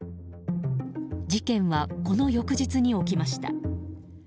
事件はこの翌日に起きました。